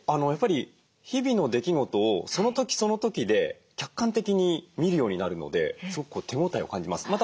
やっぱり日々の出来事をその時その時で客観的に見るようになるのですごく手応えを感じます。